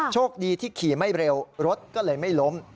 โชคดีที่ขี่ไม่เร็วรถก็เลยไม่ล้ม